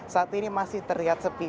saat ini masih terlihat sepi